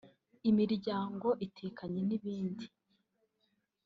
imiryango itekanye n’ibindi